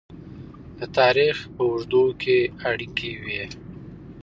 د تاریخ په اوږدو کې اړیکې وې.